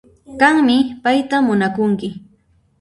Qanmi payta munakunki